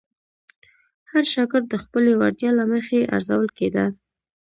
هر شاګرد د خپلې وړتیا له مخې ارزول کېده.